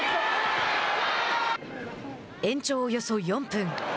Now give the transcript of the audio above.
延長およそ４分。